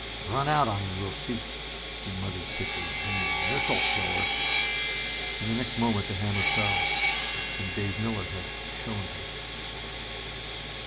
"Run out on me, will she!" he muttered thickly. "Well this'll show her!" In the next moment the hammer fell ... and Dave Miller had "shown her."